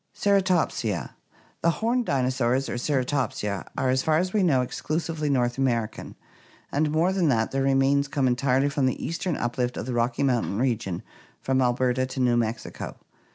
Ceratopsia. — The horned dinosaurs, or Ceratopsia, are, as far as we know, exclusively North American, and more than that, their remains come entirely from the eastern uplift of the Rocky Moun tain region from Alberta to New Mexico.